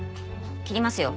切りますよ。